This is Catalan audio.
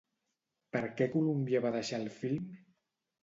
Per què Columbia va deixar el film?